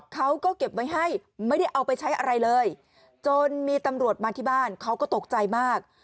เขาก็เก็บไว้ให้ไม่ได้เอาไปใช้อะไรเลยจนมีตำรวจมาที่บ้านเขาก็ตกใจมาก